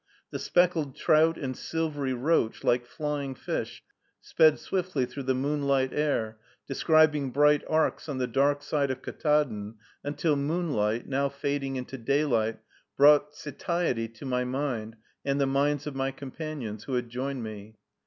The speckled trout and silvery roach, like flying fish, sped swiftly through the moonlight air, describing bright arcs on the dark side of Ktaadn, until moonlight, now fading into daylight, brought satiety to my mind, and the minds of my companions, who had joined me.